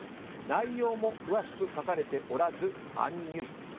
内容も詳しく書かれておらずアンニュイ。